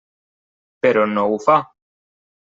Però no ho fa.